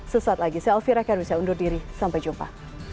sesaat lagi saya alfira khairulisya undur diri sampai jumpa